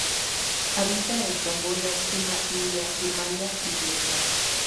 Habita en Camboya, China, India, Birmania y Vietnam.